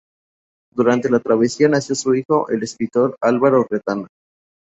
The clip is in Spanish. Durante la travesía nació su hijo, el escritor Álvaro Retana.